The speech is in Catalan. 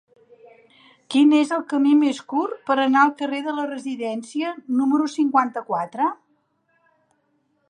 Quin és el camí més curt per anar al carrer de la Residència número cinquanta-quatre?